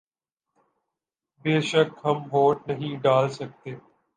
بے شک ہم ووٹ نہیں ڈال سکتے